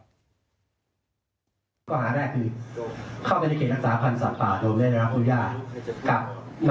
ข้อหาแรกคือเข้าไปในเขตรักษาพันธ์สัตว์ป่าโดยไม่ได้รับอนุญาตครับ